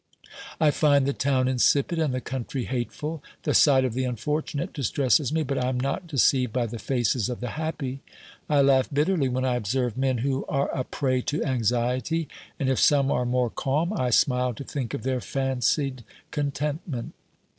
I find the town insipid and the country hateful. The sight of the unfortunate distresses me, but I am not deceived by the faces of the happy. I laugh bitterly when I observe men who are a prey to anxiety, and if some are more calm, I smile to think of their fancied contentment.